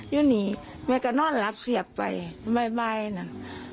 อยู่หนีแม่ก็นอนหลับเสียบไปบ่ายนะ